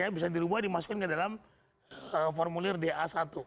bisa dirubah dimasukkan ke dalam formulir da satu